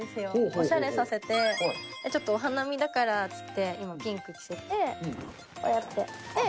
おしゃれさせて、ちょっとお花見だからっていって、今、ピンク着せて、こうやって。